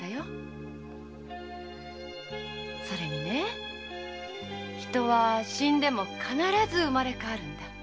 それにね人は死んでも必ず生まれ変わるんだ。